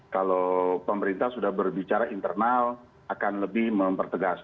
kalau pemerintah sudah berbicara internal akan lebih mempertegas